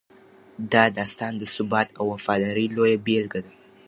دا داستان د ثبات او وفادارۍ لویه بېلګه ده.